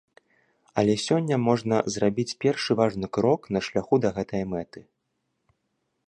Але сёння можна зрабіць першы важны крок на шляху да гэтай мэты.